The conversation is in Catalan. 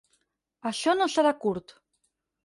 Això no serà curt.